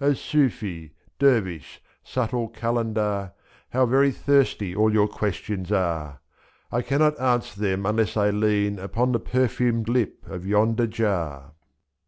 88 sufi, dervish, subtle kalendar. How very thirsty all your questions are! ^^^I cannot answer them unless I lean Upon the perfumed lip of yonder jar.